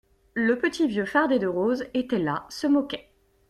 Le petit vieux, fardé de rose, était là, se moquait.